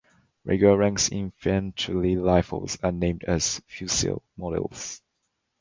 Regular length infantry rifles are named as "fucile" models.